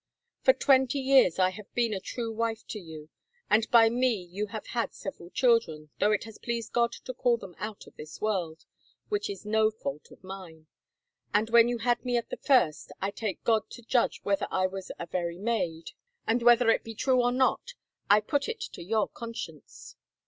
" For twenty years I have been a true wife to you, and by me you have had several children, though it has pleased God to call them out of this world, which is no fault of mine : and when you had me at the first, I take God to judge whether I was a very maid, and whether it be true or not I put it to your conscience."